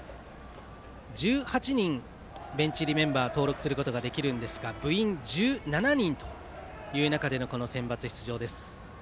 １８人ベンチ入りメンバー登録することができるんですが部員１７人という中でのセンバツ出場です。